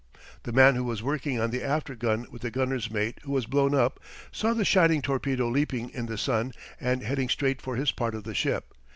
The man who was working on the after gun with the gunner's mate who was blown up, saw the shining torpedo leaping in the sun and heading straight for his part of the ship.